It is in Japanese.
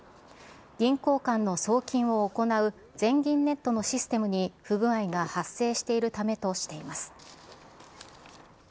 銀行間の送金を行う全銀ネットのシステムに不具合が発生しているためとしています。